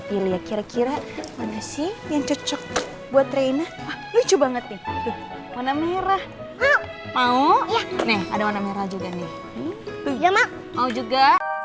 pilih kira kira mana sih yang cocok buat reina lucu banget nih mana merah mau mau juga